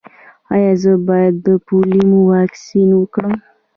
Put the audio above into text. ایا زه باید د پولیو واکسین وکړم؟